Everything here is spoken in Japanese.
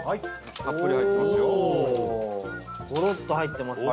たっぷり入ってますよ。